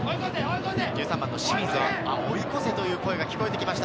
１３番の清水、追い越せという声が聞こえてきました。